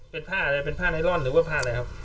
เป็นผ้าอะไรเป็นผ้าไนลอนหรือว่าผ้าอะไรครับ